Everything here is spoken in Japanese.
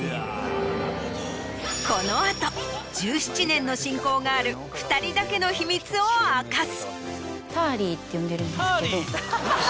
この後１７年の親交がある２人だけの秘密を明かす。